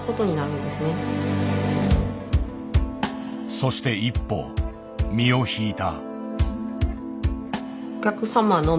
そして１歩身を引いた。